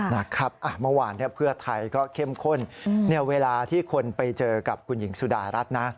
เมื่อวานเพื่อไทยก็เข้มข้นเวลาที่คนไปเจอกับคุณหญิงสุดารัฐนะ